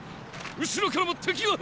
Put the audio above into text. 後ろからも敵が！